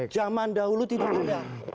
zaman dahulu tidak ada